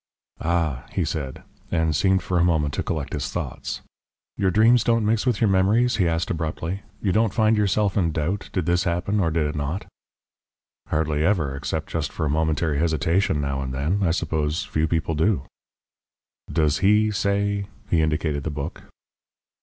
"Ah!" he said, and seemed for a moment to collect his thoughts. "Your dreams don't mix with your memories?" he asked abruptly. "You don't find yourself in doubt; did this happen or did it not?" "Hardly ever. Except just for a momentary hesitation now and then. I suppose few people do." "Does HE say " he indicated the book.